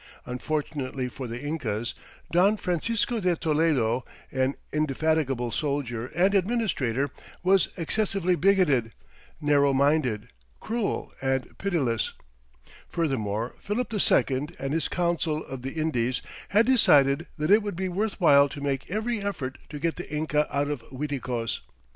Unfortunately for the Incas, Don Francisco de Toledo, an indefatigable soldier and administrator, was excessively bigoted, narrow minded, cruel, and pitiless. Furthermore, Philip II and his Council of the Indies had decided that it would be worth while to make every effort to get the Inca out of Uiticos.